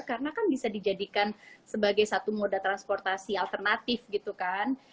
karena kan bisa dijadikan sebagai satu moda transportasi alternatif gitu kan